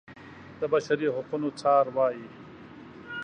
د بشري حقونو څار وايي.